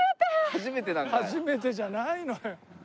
「初めて」じゃないのよ。